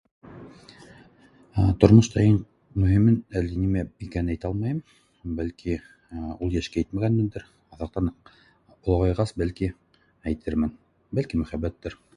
Тормошта иң мөһимен әле нимә икәнен әйтә алмайым, бәлки ул йәшкә етмәгәнемдер аҙаҡтан уҡ олоғайғас бәлки әйтермен, бәлки мөхәббәттер